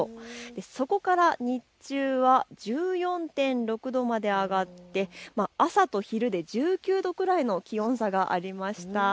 そこから日中は１４．６度まで上がって朝と昼で１９度くらいの気温差がありました。